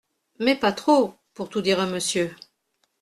—Mais pas trop, pour tout dire à monsieur.